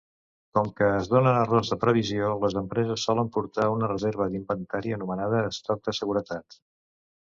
Com que es donen errors de previsió, les empreses solen portar una reserva d'inventari anomenada "estoc de seguretat".